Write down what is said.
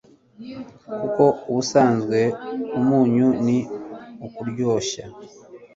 kuko ubusanzwe umunyu ni akaryoshya